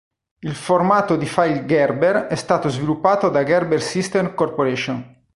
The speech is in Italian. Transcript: Il formato di file Gerber è stato sviluppato da Gerber Systems Corp.